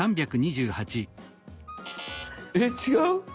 えっ違う！